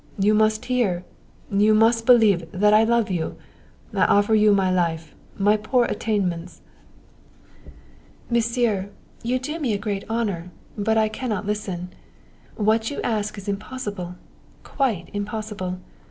You must hear you must believe, that I love you! I offer you my life, my poor attainments " "Monsieur, you do me a great honor, but I can not listen. What you ask is impossible, quite impossible.